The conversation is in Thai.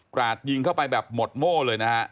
ราดยิงเข้าไปแบบหมดโม่เลยนะฮะ